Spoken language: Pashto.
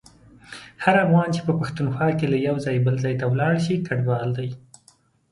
هر افغان چي په پښتونخوا کي له یو ځایه بل ته ولاړشي کډوال دی.